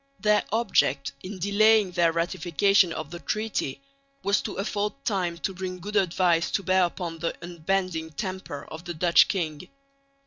Their object in delaying their ratification of the treaty was to afford time to bring good advice to bear upon the unbending temper of the Dutch king.